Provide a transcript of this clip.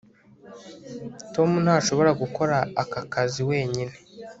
Tom ntashobora gukora aka kazi wenyine